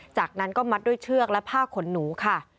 จากนั้นก็มัดด้วยเชือกและผ้าขนหนูค่ะ